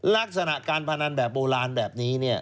ลักษณะการพนันแบบโบราณแบบนี้เนี่ย